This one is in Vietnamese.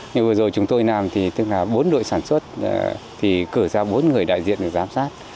như vừa rồi chúng tôi làm thì tức là bốn đội sản xuất thì cử ra bốn người đại diện để giám sát